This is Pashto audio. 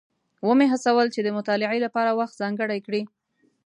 ومې هڅول چې د مطالعې لپاره وخت ځانګړی کړي.